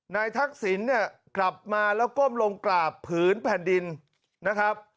ทักษิณเนี่ยกลับมาแล้วก้มลงกราบผืนแผ่นดินนะครับ